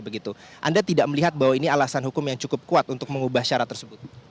anda tidak melihat bahwa ini alasan hukum yang cukup kuat untuk mengubah syarat tersebut